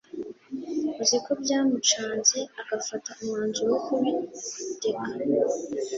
uziko byamucanze agafata umwanzuro wo kubireka